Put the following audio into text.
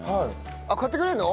あっ買ってくれるの？